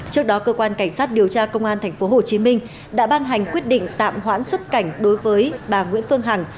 trước đó cơ quan cảnh sát điều tra công an tp hcm đã ban hành quyết định tạm hoãn xuất cảnh đối với bà nguyễn phương hằng